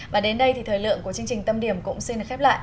và đến đây thì thời lượng của chương trình tâm điểm cũng xin được khép lại